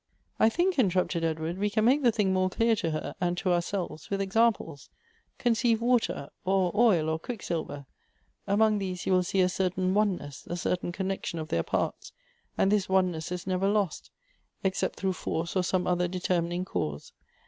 '' I think," interrupted Edward, " we can make the thing more clear to her, and to ourselves, with examples ; conceive water, or oil, or quicksilver ; among these you will see a certain oneness, a certain connection of their parts ; and this oneness is never lost, except through force or some other determining cause.